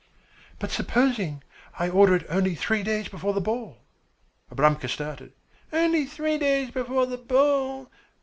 "But supposing I order it only three days before the ball?" Abramka started. "Only three days before the ball?